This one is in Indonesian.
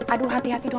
aduh hati hati dong